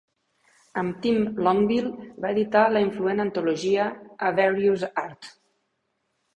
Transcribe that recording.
Amb Tim Longville va editar la influent antologia A Various Art.